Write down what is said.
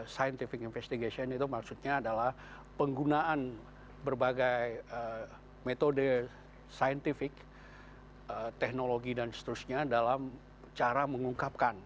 scientific investigation itu maksudnya adalah penggunaan berbagai metode scientific teknologi dan seterusnya dalam cara mengungkapkan